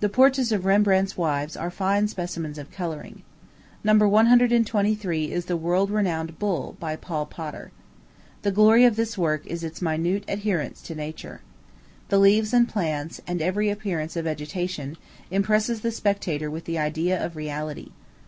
The portraits of Rembrandt's wives are fine specimens of coloring. No. 123 is the world renowned Bull, by Paul Potter. The glory of this work is its minute adherence to nature. The leaves and plants, and every appearance of vegetation, impresses the spectator with the idea of reality.